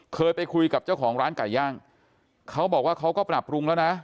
เคยไปคุยกับเจ้าของร้านไก่ย่างเขาบอกว่าเขาก็ปรับปรุงแล้วนะ